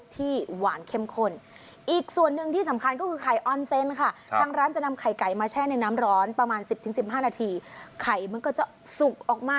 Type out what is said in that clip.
ทำไข่ไก่มาแช่ในน้ำร้อนประมาณสิบถึงสิบห้านาทีไข่มันก็จะสุกออกมา